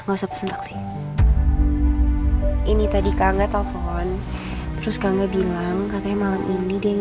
nah ini orangnya kebetulan telepon